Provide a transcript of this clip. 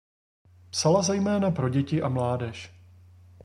Psala zejména pro děti a mládež.